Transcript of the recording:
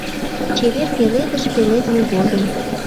Чевер пеледыш пеледме годым